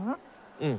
うん。